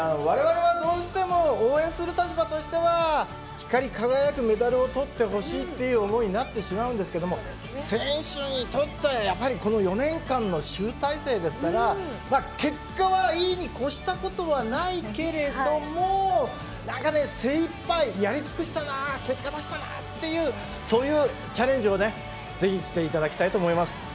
我々はどうしても応援する立場としては光り輝くメダルを取ってほしいっていう思いになってしまうんですけども選手にとってはやっぱりこの４年間の集大成ですから結果はいいにこしたことはないけれども何かね精いっぱいやり尽くしたな結果出したなっていうそういうチャレンジをね是非していただきたいと思います。